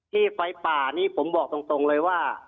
ที่ไฟป่านี้ผมบอกตรงเลยว่า